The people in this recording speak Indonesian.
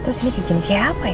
terus ini cijen siapa ya